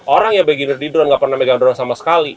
orang ya beginner di drone gak pernah megang drone sama sekali